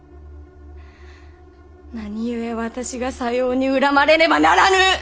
何故私がさように恨まれねばならぬ！